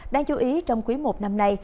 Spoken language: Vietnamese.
đáng chú ý trong cuối một năm nay